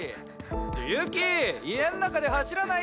ユキ家ん中で走らない！